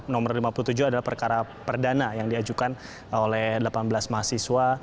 nomor lima puluh tujuh adalah perkara perdana yang diajukan oleh delapan belas mahasiswa